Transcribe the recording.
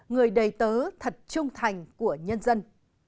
người đầy tớ thật trung thành của nhân dân